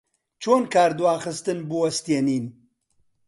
چۆن کاردواخستن بوەستێنین؟